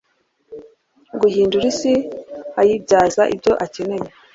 guhindura isi ayibyaza ibyo akeneye